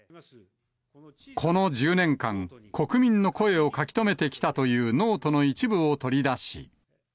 この１０年間、国民の声を書き留めてきたというノートの一部を取り出し。